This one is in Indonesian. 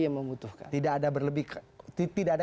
yang membutuhkan tidak ada